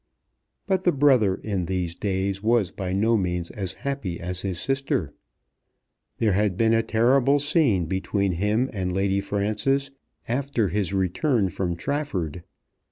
But the brother in these days was by no means as happy as his sister. There had been a terrible scene between him and Lady Frances after his return from Trafford.